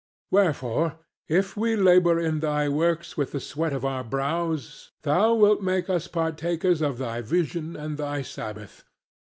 Wherefore if we labour in thy works with the sweat of our brows thou wilt make us partakers of thy vision and thy sabbath.